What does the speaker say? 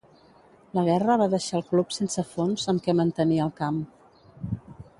La guerra va deixar el club sense fons amb què mantenir el camp.